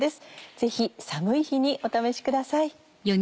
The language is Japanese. ぜひ寒い日にお試しください。